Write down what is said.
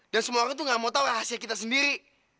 dan semua orang tuh gak mau tahu rahasia kita sendiri